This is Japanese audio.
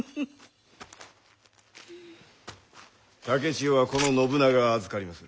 竹千代はこの信長が預かりまする。